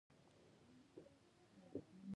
د زراعت د اړتیاوو پوره کولو لپاره اقدامات کېږي.